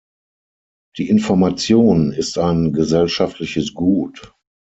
Die Information ist ein gesellschaftliches Gut.